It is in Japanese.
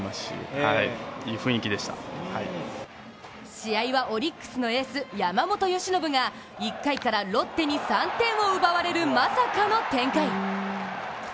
試合はオリックスのエース・山本由伸が１回からロッテに３点を奪われるまさかの展開。